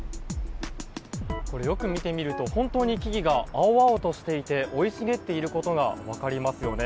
よく見てみると本当に木々が青々としていて生い茂っていることが分かりますよね。